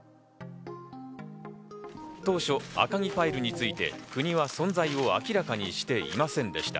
当初、赤木ファイルについて国は存在を明らかにしていませんでした。